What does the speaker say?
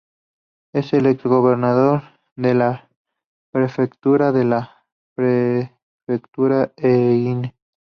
Es el ex gobernador de la Prefectura de la Prefectura de Ehime.